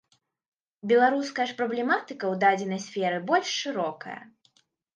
Беларуская ж праблематыка ў дадзенай сферы больш шырокая.